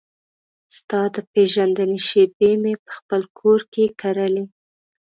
ستا د پیژندنې شیبې مې پخپل کور کې کرلې